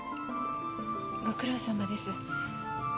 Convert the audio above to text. ご苦労さまです。